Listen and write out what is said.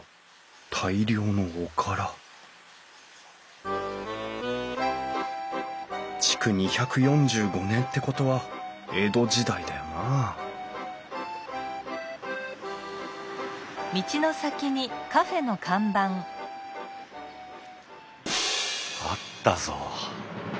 大量のおから築２４５年ってことは江戸時代だよなあったぞ！